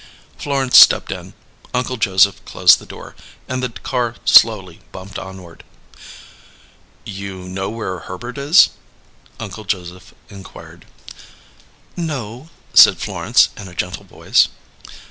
Florence stepped in, Uncle Joseph closed the door, and the car slowly bumped onward. "You know where Herbert is?" Uncle Joseph inquired. "No," said Florence, in a gentle voice.